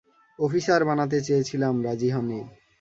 Officer বানাতে চেয়েছিলাম, রাজি হয়নি।